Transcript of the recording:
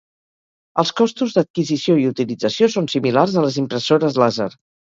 Els costos d'adquisició i utilització són similars a les impressores làser.